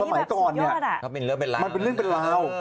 มันเป็นเรื่องเป็นลาว